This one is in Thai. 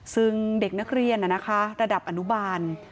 ซึ่งเด็กนักเรียนระดับอนุบาล